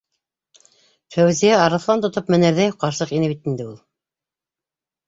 Фәүзиә арыҫлан тотоп менерҙәй ҡарсыҡ ине бит инде ул...